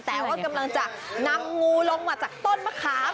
แต่ว่ากำลังจะนำงูลงมาจากต้นมะขาม